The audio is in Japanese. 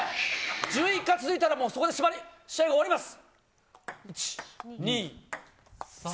１１回続いたらそこで試合が終わります。